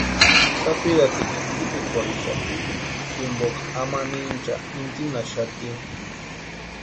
Sapirhaticha tsipikwarhixati jimpoka amanhincha intsinhaxati.